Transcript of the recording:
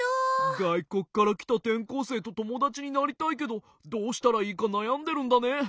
がいこくからきたてんこうせいとともだちになりたいけどどうしたらいいかなやんでるんだね。